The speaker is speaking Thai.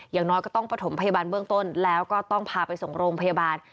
อย่างน้อยก็ต้องประถมพยาบาลเบื้องต้นแล้วก็ต้องพาไปส่งโรงพยาบาล